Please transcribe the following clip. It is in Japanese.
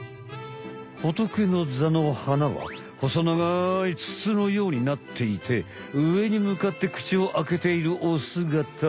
ホトケノザの花は細長いつつのようになっていて上にむかって口をあけているおすがた。